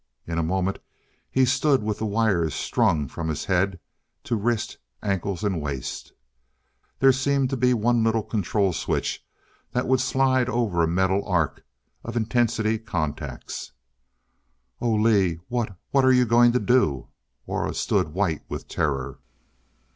In a moment he stood with the wires strung from his head, to wrist, ankles and waist. There seemed but one little control switch that would slide over a metal arc of intensity contacts. "Oh, Lee what what are you going to do ?" Aura stood white with terror.